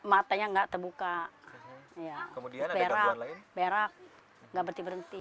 matanya nggak terbuka berak berak nggak berhenti berhenti